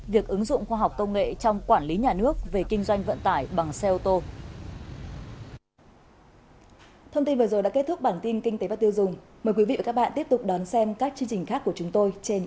việc ứng dụng khoa học công nghệ trong quản lý nhà nước về kinh doanh vận tải bằng xe ô tô